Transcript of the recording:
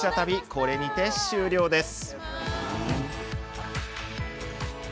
これにて終了です。